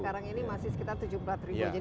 jadi masih sangat kurangan ya